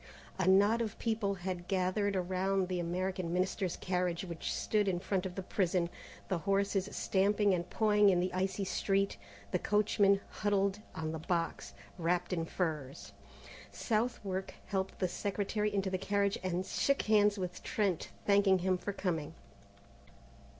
A knot of people had gathered around the American Minister's carriage, which stood in front of the prison, the horses stamping and pawing in the icy street, the coachman huddled on the box, wrapped in furs. Southwark helped the Secretary into the carriage, and shook hands with Trent, thanking him for coming.